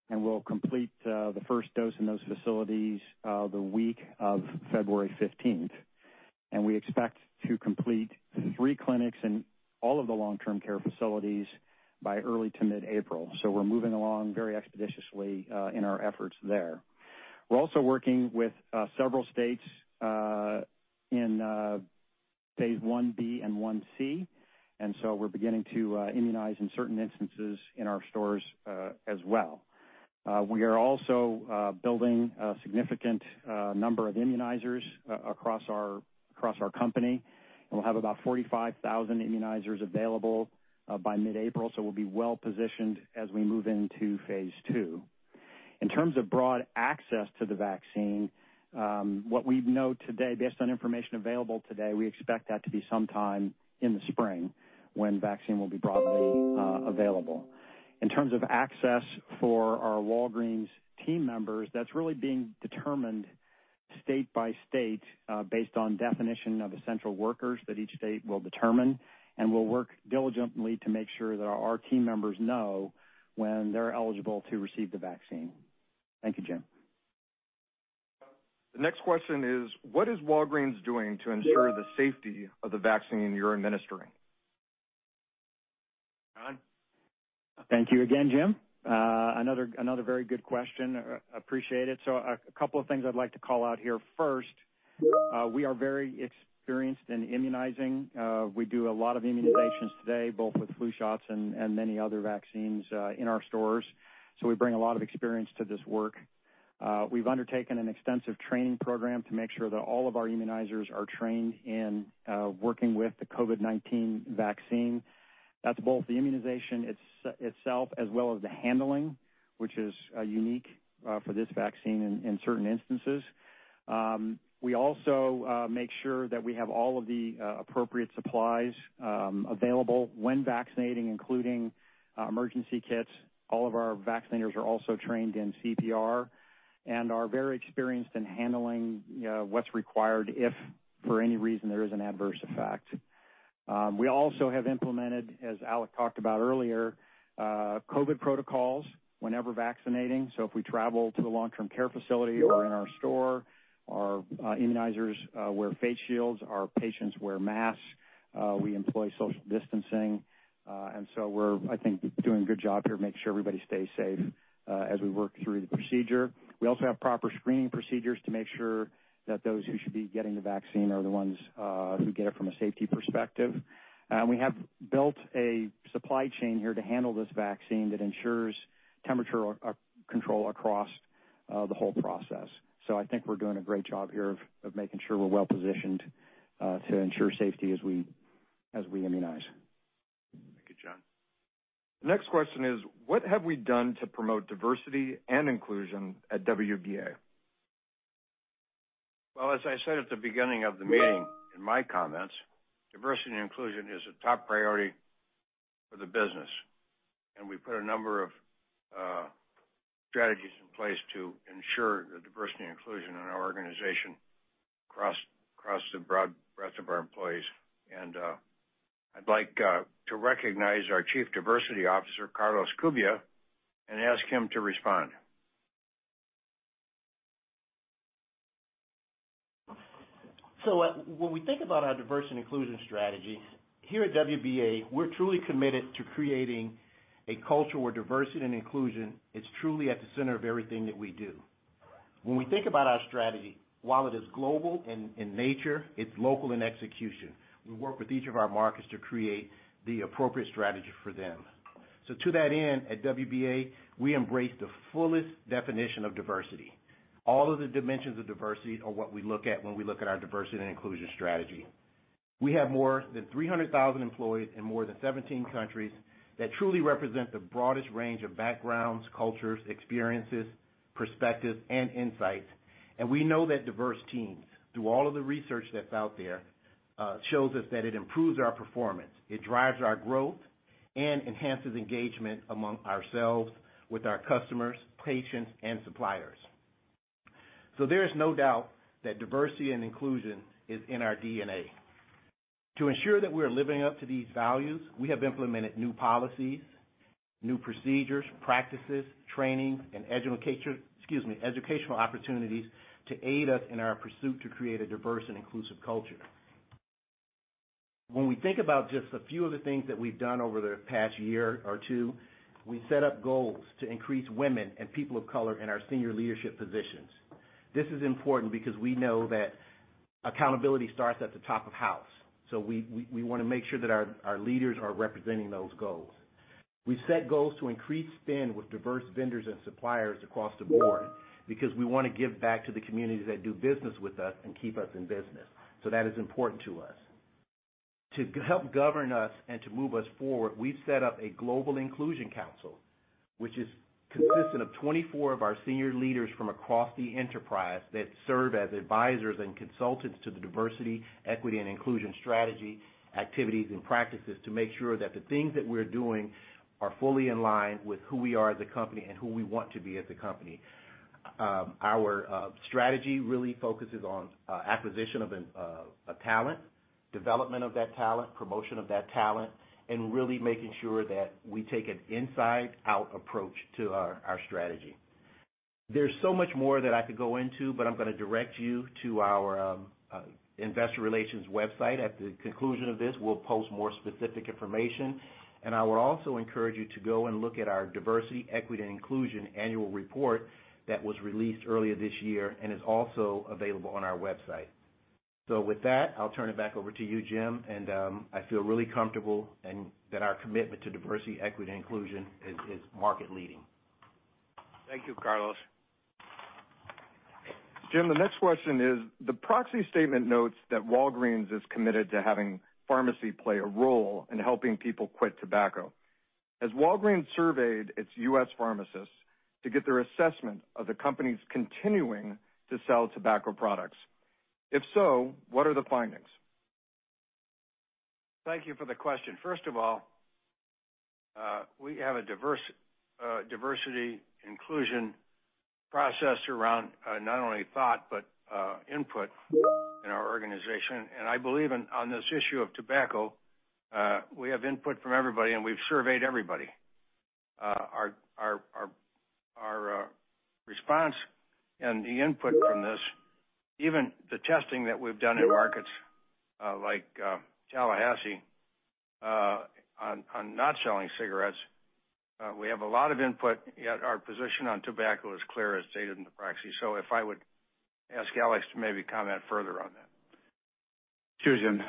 We'll complete the first dose in those facilities the week of February 15th. We expect to complete three clinics in all of the long-term care facilities by early to mid-April. We're moving along very expeditiously in our efforts there. We're also working with several states in phase I-B and I-C, we're beginning to immunize in certain instances in our stores as well. We are also building a significant number of immunizers across our company, we'll have about 45,000 immunizers available by mid-April, we'll be well-positioned as we move into phase II. In terms of broad access to the vaccine, what we know today, based on information available today, we expect that to be sometime in the spring when vaccine will be broadly available. In terms of access for our Walgreens team members, that's really being determined state by state, based on definition of essential workers that each state will determine, we'll work diligently to make sure that our team members know when they're eligible to receive the vaccine. Thank you, Jim. The next question is, what is Walgreens doing to ensure the safety of the vaccine you're administering? John? Thank you again, Jim. Another very good question. Appreciate it. A couple of things I'd like to call out here. First, we are very experienced in immunizing. We do a lot of immunizations today, both with flu shots and many other vaccines in our stores. We bring a lot of experience to this work. We've undertaken an extensive training program to make sure that all of our immunizers are trained in working with the COVID-19 vaccine. That's both the immunization itself as well as the handling, which is unique for this vaccine in certain instances. We also make sure that we have all of the appropriate supplies available when vaccinating, including emergency kits. All of our vaccinators are also trained in CPR and are very experienced in handling what's required, if for any reason there is an adverse effect. We also have implemented, as Alex talked about earlier, COVID protocols whenever vaccinating. If we travel to a long-term care facility or in our store, our immunizers wear face shields, our patients wear masks. We employ social distancing. We're, I think, doing a good job here making sure everybody stays safe as we work through the procedure. We also have proper screening procedures to make sure that those who should be getting the vaccine are the ones who get it from a safety perspective. We have built a supply chain here to handle this vaccine that ensures temperature control across the whole process. I think we're doing a great job here of making sure we're well-positioned to ensure safety as we immunize. Thank you, John. The next question is, what have we done to promote diversity and inclusion at WBA? Well, as I said at the beginning of the meeting in my comments, diversity and inclusion is a top priority for the business. We put a number of strategies in place to ensure the diversity and inclusion in our organization across the broad breadth of our employees. I'd like to recognize our Chief Diversity Officer, Carlos Cubia, and ask him to respond. When we think about our diversity and inclusion strategy, here at WBA, we're truly committed to creating a culture where diversity and inclusion is truly at the center of everything that we do. When we think about our strategy, while it is global in nature, it's local in execution. We work with each of our markets to create the appropriate strategy for them. To that end, at WBA, we embrace the fullest definition of diversity. All of the dimensions of diversity are what we look at when we look at our diversity and inclusion strategy. We have more than 300,000 employees in more than 17 countries that truly represent the broadest range of backgrounds, cultures, experiences, perspectives, and insights. We know that diverse teams, through all of the research that's out there, shows us that it improves our performance. It drives our growth and enhances engagement among ourselves, with our customers, patients, and suppliers. There is no doubt that diversity and inclusion is in our DNA. To ensure that we're living up to these values, we have implemented new policies, new procedures, practices, training, and educational opportunities to aid us in our pursuit to create a diverse and inclusive culture. When we think about just a few of the things that we've done over the past year or two, we set up goals to increase women and people of color in our senior leadership positions. This is important because we know that accountability starts at the top of house, so we want to make sure that our leaders are representing those goals. We set goals to increase spend with diverse vendors and suppliers across the board because we want to give back to the communities that do business with us and keep us in business. That is important to us. To help govern us and to move us forward, we've set up a Global Inclusion Council, which is consistent of 24 of our senior leaders from across the enterprise that serve as advisors and consultants to the diversity, equity, and inclusion strategy, activities, and practices to make sure that the things that we're doing are fully in line with who we are as a company and who we want to be as a company. Our strategy really focuses on acquisition of talent, development of that talent, promotion of that talent, and really making sure that we take an inside-out approach to our strategy. There's so much more that I could go into. I'm going to direct you to our investor relations website. At the conclusion of this, we'll post more specific information. I would also encourage you to go and look at our Diversity, Equity, and Inclusion Annual Report that was released earlier this year and is also available on our website. With that, I'll turn it back over to you, Jim. I feel really comfortable that our commitment to diversity, equity, and inclusion is market leading. Thank you, Carlos. Jim, the next question is, the proxy statement notes that Walgreens is committed to having pharmacy play a role in helping people quit tobacco. Has Walgreens surveyed its U.S. pharmacists to get their assessment of the companies continuing to sell tobacco products? If so, what are the findings? Thank you for the question. First of all, we have a diversity inclusion process around not only thought but input in our organization. I believe on this issue of tobacco, we have input from everybody, and we've surveyed everybody. Our response and the input from this, even the testing that we've done in markets like Tallahassee on not selling cigarettes, we have a lot of input, yet our position on tobacco is clear as stated in the proxy. If I would ask Alex to maybe comment further on that. Sure, Jim.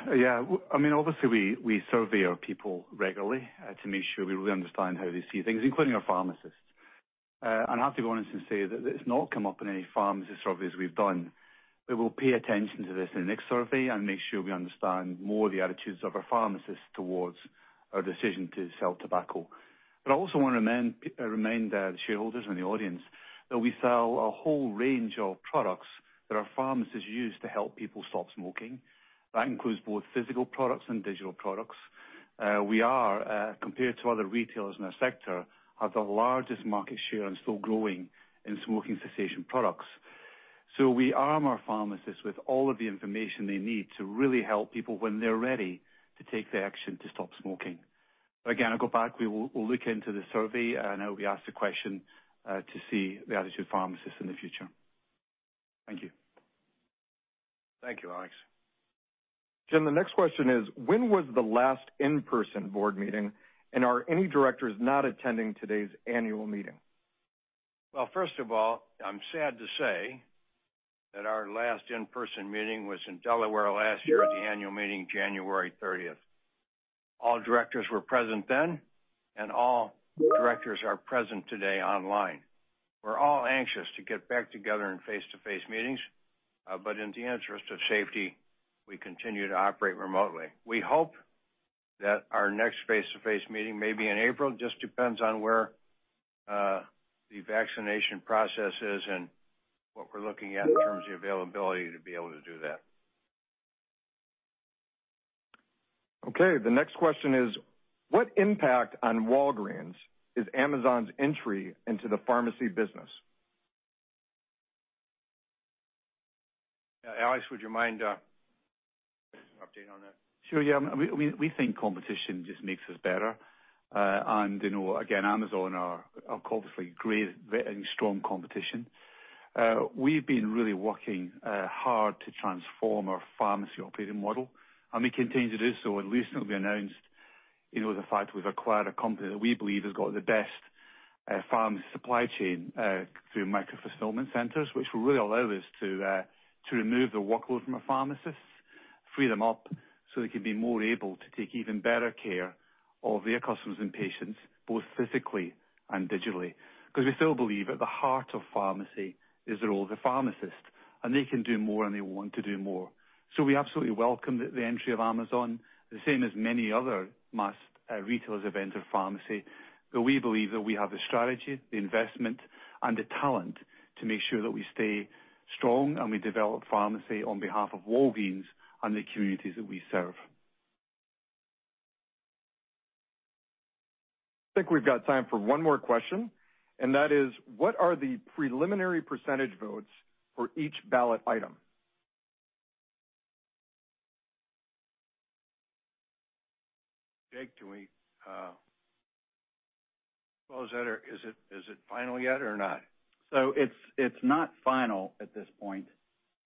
Obviously, we survey our people regularly to make sure we really understand how they see things, including our pharmacists. I have to be honest and say that it's not come up in any pharmacist surveys we've done. We will pay attention to this in the next survey and make sure we understand more the attitudes of our pharmacists towards our decision to sell tobacco. I also want to remind the shareholders and the audience that we sell a whole range of products that our pharmacists use to help people stop smoking. That includes both physical products and digital products. We are, compared to other retailers in our sector, have the largest market share and still growing in smoking cessation products. We arm our pharmacists with all of the information they need to really help people when they're ready to take the action to stop smoking. Again, I'll go back. We'll look into the survey, and it'll be asked a question to see the attitude of pharmacists in the future. Thank you. Thank you, Alex. Jim, the next question is, when was the last in-person board meeting, and are any directors not attending today's annual meeting? Well, first of all, I'm sad to say that our last in-person meeting was in Delaware last year at the annual meeting, January 30th. All directors were present then, and all directors are present today online. We're all anxious to get back together in face-to-face meetings. In the interest of safety, we continue to operate remotely. We hope that our next face-to-face meeting may be in April. Just depends on where the vaccination process is and what we're looking at in terms of the availability to be able to do that. Okay, the next question is, what impact on Walgreens is Amazon's entry into the pharmacy business? Alex, would you mind update on that? Sure, yeah. We think competition just makes us better. Again, Amazon are obviously great and strong competition. We've been really working hard to transform our pharmacy operating model, and we continue to do so and recently announced the fact we've acquired a company that we believe has got the best pharmacy supply chain through micro-fulfillment centers, which will really allow us to remove the workload from our pharmacists, free them up so they can be more able to take even better care of their customers and patients, both physically and digitally. We still believe at the heart of pharmacy is the role of the pharmacist, and they can do more, and they want to do more. We absolutely welcome the entry of Amazon, the same as many other mass retailers have entered pharmacy. We believe that we have the strategy, the investment, and the talent to make sure that we stay strong, and we develop pharmacy on behalf of Walgreens and the communities that we serve. I think we've got time for one more question, and that is, what are the preliminary percentage votes for each ballot item? Jake, can we close that? Is it final yet or not? It's not final at this point,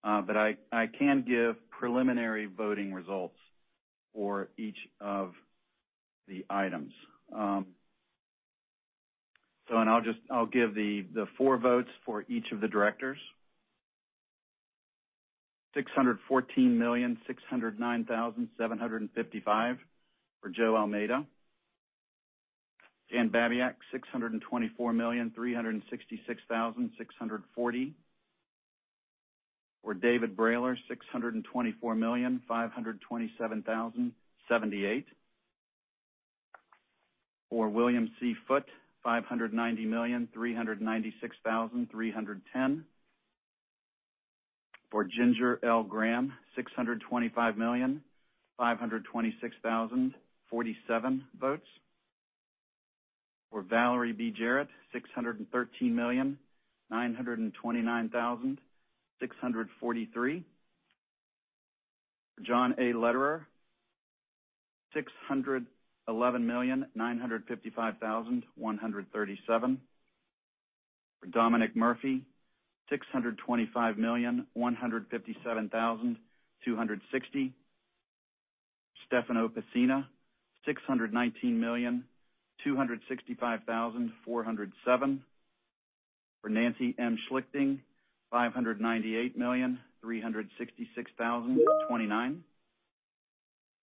but I can give preliminary voting results for each of the items. I'll give the for votes for each of the directors. 614,609,755 for Joe Almeida. Jan Babiak, 624,366,640. For David Brailer, 624,527,078. For William C. Foote, 590,396,310. For Ginger L. Graham, 625,526,047 votes. For Valerie B. Jarrett, 613,929,643. For John A. Lederer, 611,955,137. For Dominic Murphy, 625,157,260. Stefano Pessina, 619,265,407. For Nancy M. Schlichting, 598,366,029.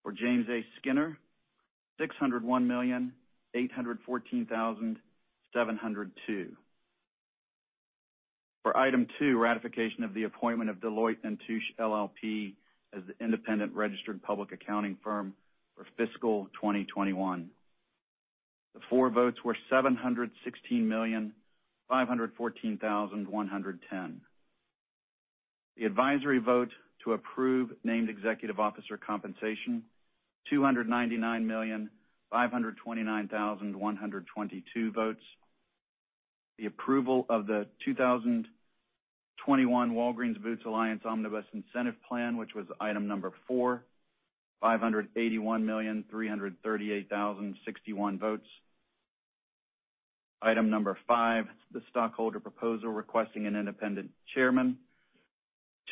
For James A. Skinner, 601,814,702. For item 2, ratification of the appointment of Deloitte & Touche LLP as the independent registered public accounting firm for fiscal 2021. The for votes were 716,514,110. The advisory vote to approve named executive officer compensation, 299,529,122 votes. The approval of the 2021 Walgreens Boots Alliance Omnibus Incentive Plan, which was item number 4, 581,338,061 votes. Item number 5, the stockholder proposal requesting an independent chairman,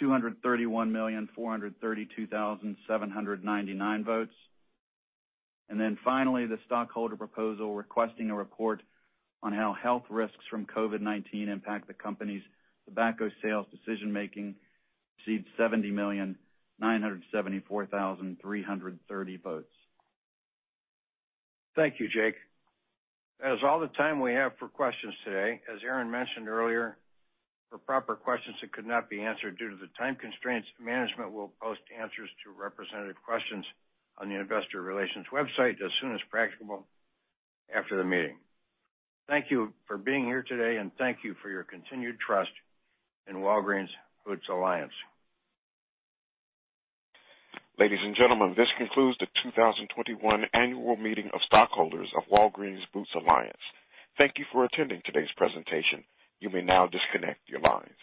231,432,799 votes. Finally, the stockholder proposal requesting a report on how health risks from COVID-19 impact the company's tobacco sales decision-making received 70,974,330 votes. Thank you, Jake. That is all the time we have for questions today. As Aaron mentioned earlier, for proper questions that could not be answered due to the time constraints, management will post answers to representative questions on the investor relations website as soon as practicable after the meeting. Thank you for being here today, and thank you for your continued trust in Walgreens Boots Alliance. Ladies and gentlemen, this concludes the 2021 annual meeting of stockholders of Walgreens Boots Alliance. Thank you for attending today's presentation. You may now disconnect your lines.